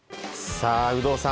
さあ有働さん